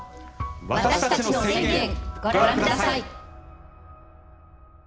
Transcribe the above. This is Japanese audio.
私たちの宣言ご覧ください。